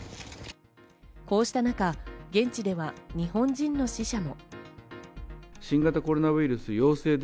こうした中、現地では日本人の死者も。